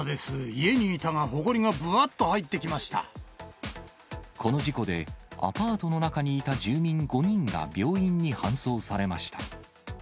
家にいたが、この事故で、アパートの中にいた住民５人が病院に搬送されました。